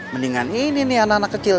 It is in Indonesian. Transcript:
mendingan ini nih anak anak kecil